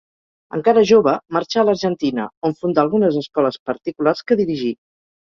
Encara jove, marxà a l'Argentina, on fundà algunes escoles particulars que dirigí.